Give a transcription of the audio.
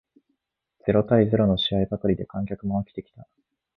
ゼロ対ゼロの試合ばかりで観客も飽きてきた